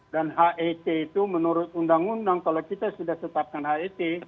dan het itu menurut undang undang kalau kita sudah tetapkan het